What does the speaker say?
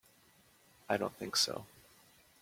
I don't think so.